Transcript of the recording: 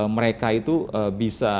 mereka itu bisa datang langsung ke sini